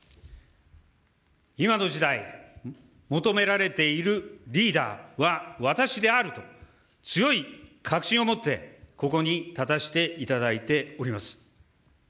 今の時代、求められているリーダーは私であると、強い確信を持って、ここに立たせていただいております。